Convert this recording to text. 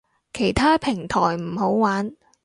其他平台唔好玩